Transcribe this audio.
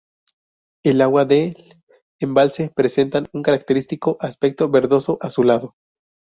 El agua del embalse presenta un característico aspecto verdoso azulado.